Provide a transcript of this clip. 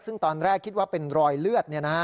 ซึ่งตอนแรกคิดว่าเป็นรอยเลือด